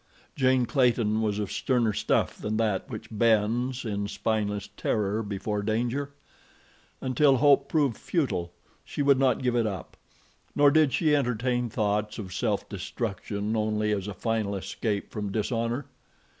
Jane Clayton was of sterner stuff than that which bends in spineless terror before danger. Until hope proved futile she would not give it up; nor did she entertain thoughts of self destruction only as a final escape from dishonor.